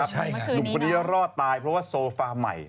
หลุมพอดีแล้วรอดตายเพราะว่าโซฟาใหม่